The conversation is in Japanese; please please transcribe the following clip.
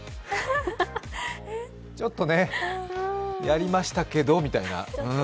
ちょっとね、やりましたけどみたいな。